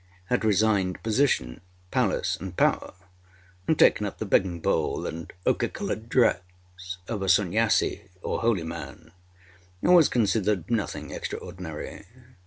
had resigned position, palace, and power, and taken up the begging bowl and ochre coloured dress of a Sunnyasi, or holy man, was considered nothing extraordinary.